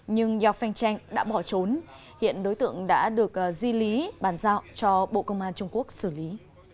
nhưng yao feng chanh đã bỏ trốn hiện đối tượng đã được di lý bàn giao cho bộ công an trung quốc xử lý